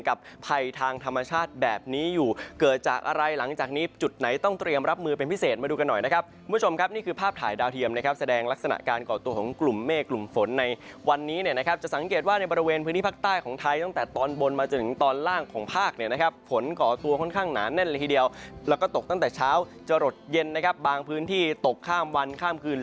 คุณผู้ชมครับนี่คือภาพถ่ายดาวเทียมแสดงลักษณะการก่อตัวของกลุ่มเมฆกลุ่มฝนในวันนี้นะครับจะสังเกตว่าในบริเวณพื้นที่ภาคใต้ของไทยตั้งแต่ตอนบนมาจนตอนล่างของภาคเนี่ยนะครับฝนก่อตัวค่อนข้างหนาแน่นละทีเดียวแล้วก็ตกตั้งแต่เช้าจะหลดเย็นนะครับบางพื้นที่ตกข้ามวันข้ามค